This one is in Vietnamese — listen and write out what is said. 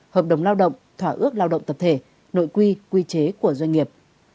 hợp đồng lao động thỏa ước lao động tập thể nội quy quy chế của doanh nghiệp